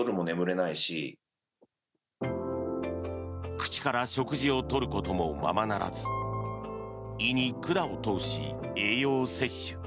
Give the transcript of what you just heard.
口から食事を取ることもままならず胃に管を通し栄養を摂取。